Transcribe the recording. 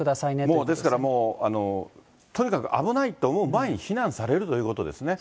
もうですから、もう、とにかく危ないと思う前に避難されるということですね。